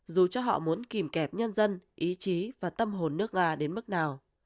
dù cho họ muốn kìm kẹp nhân dân ý chí và tâm hồn nước nga đến mức nào